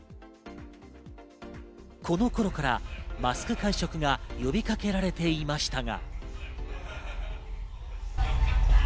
この頃からマスク会食が呼びかけられていましたが。